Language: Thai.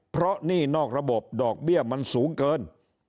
เพราะหนี้นอกระบบดอกเบี้ยมันสูงเกิน